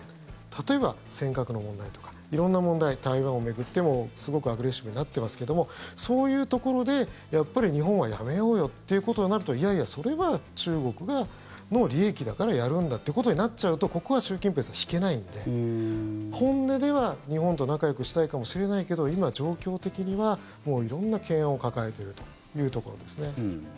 例えば尖閣の問題とか色んな問題台湾を巡ってもすごくアグレッシブになってますけどもそういうところでやっぱり日本はやめようよということになるといやいや、それは中国の利益だからやるんだということになっちゃうとここは習近平さん引けないので本音では日本と仲よくしたいかもしれないけど今、状況的には色んな懸案を抱えているというところですね。